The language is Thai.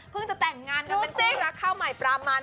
เพิ่งจะแต่งงานกันเป็นคู่รักข้าวใหม่ปลามัน